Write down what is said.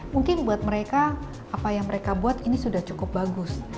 mungkin buat mereka apa yang mereka buat ini sudah cukup bagus